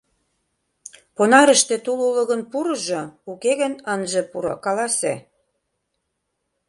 Понарыште тул уло гын, пурыжо, уке гын, ынже пуро, каласе.